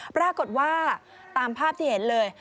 ปรากฏว่าตามภาพที่เห็นเลย